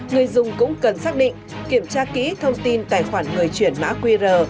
người dùng cũng cần xác định kiểm tra kỹ thông tin tài khoản người chuyển mã qr